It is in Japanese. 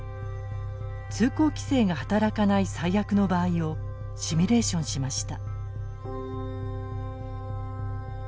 通行規制が働かない最悪の場合をシミュレーションしました。